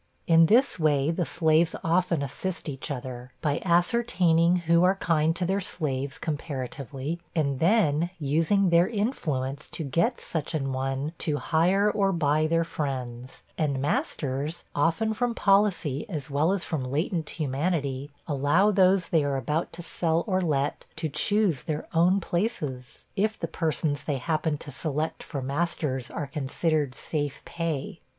In this way the slaves often assist each other, by ascertaining who are kind to their slaves, comparatively; and then using their influence to get such an one to hire or buy their friends; and masters, often from policy, as well as from latent humanity, allow those they are about to sell or let, to choose their own places, if the persons they happen to select for masters are considered safe pay.